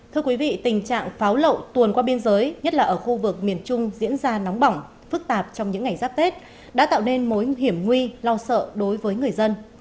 thưa quý vị tình trạng pháo lậu tuồn qua biên giới nhất là ở khu vực miền trung diễn ra nóng bỏng phức tạp trong những ngày giáp tết đã tạo nên mối hiểm nguy lo sợ đối với người dân